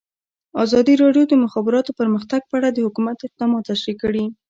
ازادي راډیو د د مخابراتو پرمختګ په اړه د حکومت اقدامات تشریح کړي.